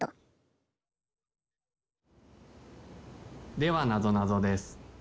・ではなぞなぞです。